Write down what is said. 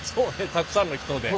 たくさんの人で。